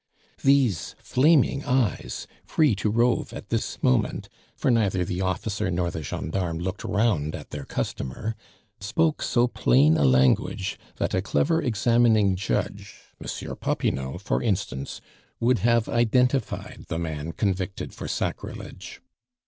These flaming eyes, free to rove at this moment, for neither the officer nor the gendarme looked round at their "customer," spoke so plain a language that a clever examining judge, M. Popinot, for instance, would have identified the man convicted for sacrilege.